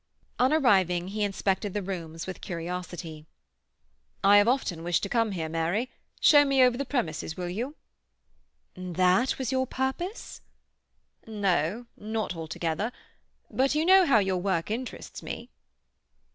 On arriving, he inspected the rooms with curiosity. "I have often wished to come here, Mary. Show me over the premises, will you?" "That was your purpose—?" "No, not altogether. But you know how your work interests me."